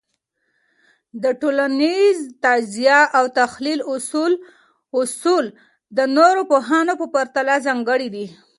د ټولنيز تجزیه او تحلیل اصول د نورو پوهانو په پرتله ځانګړي دي.